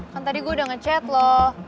kan tadi gue udah ngechat lo